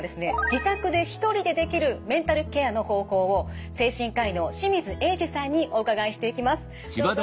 自宅で一人でできるメンタルケアの方法を精神科医の清水栄司さんにお伺いしていきます。